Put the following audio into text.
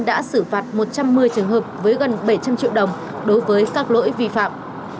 đã xử phạt một trăm một mươi trường hợp với gần bảy trăm linh triệu đồng đối với các lỗi vi phạm